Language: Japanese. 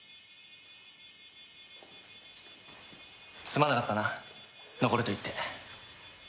すまなかったな「残れ」と言って。